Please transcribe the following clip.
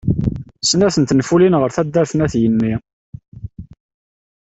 Snat n tenfulin ɣer taddart n At Yanni.